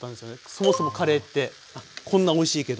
そもそもカレーってこんなおいしいけど。